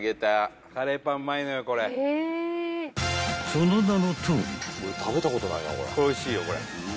［その名のとおり］